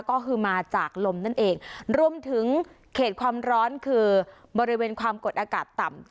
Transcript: ก็คือมาจากลมนั่นเองรวมถึงเขตความร้อนคือบริเวณความกดอากาศต่ำ